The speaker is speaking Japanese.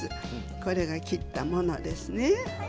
これが切ったものですね。